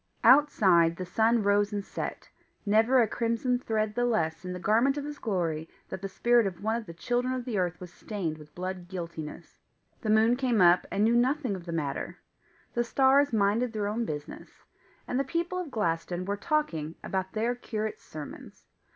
Outside, the sun rose and set, never a crimson thread the less in the garment of his glory that the spirit of one of the children of the earth was stained with blood guiltiness; the moon came up and knew nothing of the matter; the stars minded their own business; and the people of Glaston were talking about their curate's sermons.